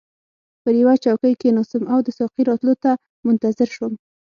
پر یوه چوکۍ کښیناستم او د ساقي راتلو ته منتظر شوم.